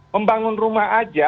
pembangun rumah aja